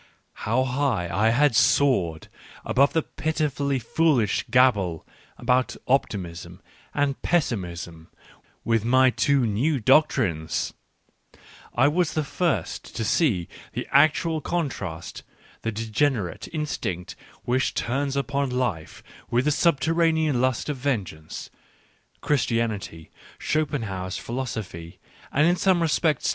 How high I had soared above the pitifully foolish gabble about Optimism and Pessimism with my two new doctrines ! I was the first to see the actual contrast: the degenerate instinct which turns upon life with a subterranean lust of vengeance (Christianity, Digitized by Google WHY I WRITE SUCH EXCELLENT BOOKS 7 1 Schopenhauer's philosophy, and in some respects